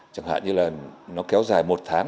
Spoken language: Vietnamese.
chẳng hạn như là nó kéo dài một tháng